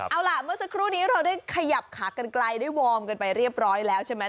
เอาล่ะเมื่อสักครู่นี้เราได้ขยับขากันไกลได้วอร์มกันไปเรียบร้อยแล้วใช่ไหม